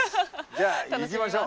じゃあ行きましょう！